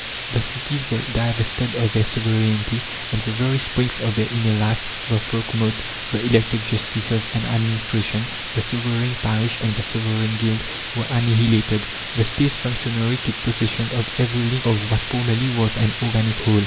The cities were divested of their sovereignty, and the very springs of their inner life the folkmote, the elected justices and administration, the sovereign parish and the sovereign guild were annihilated; the State's functionary took possession of every link of what formerly was an organic whole.